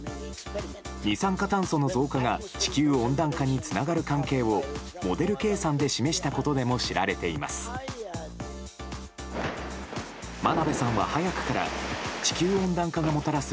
二酸化炭素の増加が地球温暖化につながる関係をモデル計算で示したことでも知られています。